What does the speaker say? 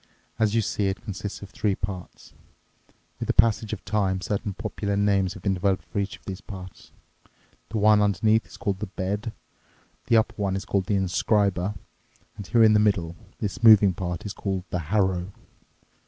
As you see, it consists of three parts. With the passage of time certain popular names have been developed for each of these parts. The one underneath is called the bed, the upper one is called the inscriber, and here in the middle, this moving part is called the harrow."